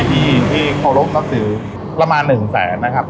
ที่ที่เขารพนักสือประมาณหนึ่งแสนนะครับ